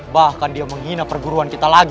bahkan dia menghina perguruan kita lagi